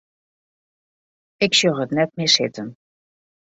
Ik sjoch it net mear sitten.